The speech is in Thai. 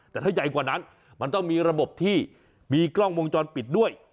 แต่ถ้าใหญ่กว่านั้นมันต้องมีระบบที่มีกล้องวงจรปิดด้วย